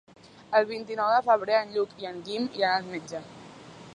El vint-i-nou de febrer en Lluc i en Guim iran al metge.